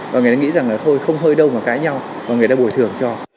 và người ta nghĩ rằng là thôi không hơi đâu mà cãi nhau và người ta bồi thường cho